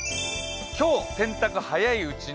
今日、洗濯早いうちに。